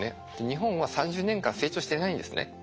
日本は３０年間成長してないんですね。